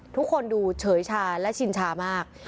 ทุกคนดูเฉยชาและชินชามาก